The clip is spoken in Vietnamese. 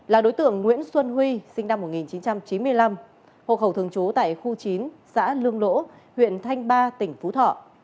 là đối tượng nguyễn xuân huy sinh năm một nghìn chín trăm chín mươi năm hộ khẩu thường trú tại khu chín xã lương lỗ huyện thanh ba tỉnh phú thọ